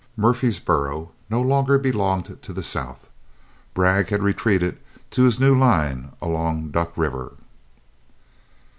Murfreesboro no longer belonged to the South. Bragg had retreated to his new line along Duck River.